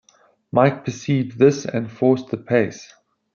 Mike perceived this, and forced the pace.